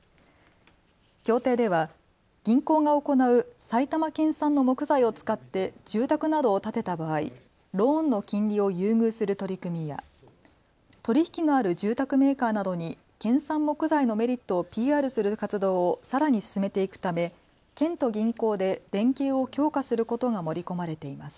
協定では銀行が行う埼玉県産の木材を使って住宅などを建てた場合、ローンの金利を優遇する取り組みや取り引きのある住宅メーカーなどに県産木材のメリットをＰＲする活動をさらに進めていくため県と銀行で連携を強化することが盛り込まれています。